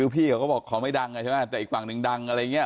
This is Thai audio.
พี่บอกจะขอไม่ดังแต่อีกฝั่งดึงดังอะไรงี้